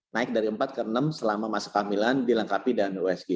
naik dari empat ke enam selama masuk kehamilan dilengkapi dengan usg